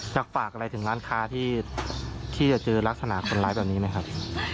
อยากฝากอะไรถึงร้านค้าที่จะเจอลักษณะคนร้ายแบบนี้ไหมครับ